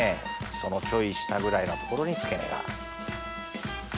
そのちょい下ぐらいの所に付け根が。